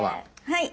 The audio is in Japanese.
はい！